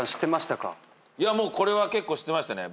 いやもうこれは結構知ってましたね。